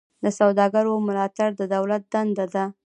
د سوداګرو ملاتړ د دولت دنده ده